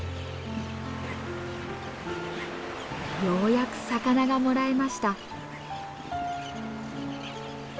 ようやく魚がもらえました。